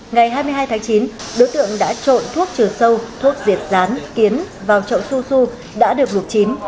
ngày hai mươi hai tháng chín đối tượng đã trộn thuốc trừ sâu thuốc diệt rán kiến vào chậu su su đã được luộc chín